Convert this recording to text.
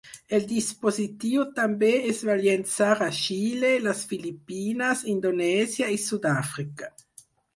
El dispositiu també es va llençar a Xile, les Filipines, Indonèsia, i Sud-àfrica.